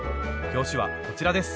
表紙はこちらです